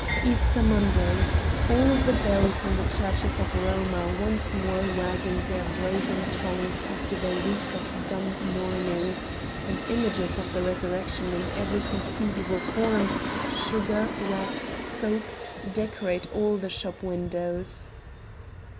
Easter Monday. All the bells in the churches of Rome are once more wagging their brazen tongues after their week of dumb mourning, and images of the Resurrection in every conceivable form sugar, wax, soap decorate all the shop windows.